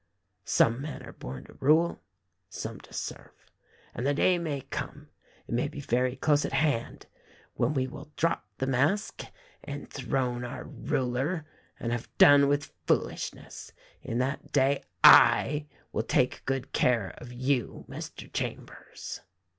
Some men are born to rule, some to serve ; and the day may come — it may be very close at hand — when we will drop the mask, enthrone our ruler, and have done with foolishness. In that day / will take good care of you, Mr. Chambers."